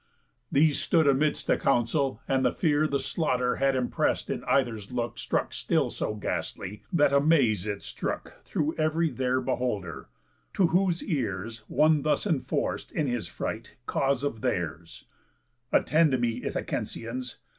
These stood amidst the council; and the fear The slaughter had impress'd in either's look Stuck still so ghastly, that amaze it strook Through ev'ry there beholder. To whose ears One thus enforc'd, in his fright, cause of theirs: "Attend me, Ithacensians!